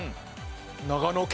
長野県。